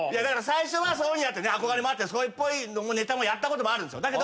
だから最初はそういうふうにやってね憧れもあってそれっぽいネタもやったこともあるんですよ。